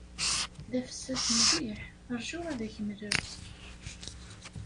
D afessas mliḥ. Ṛju ad ak-mleɣ.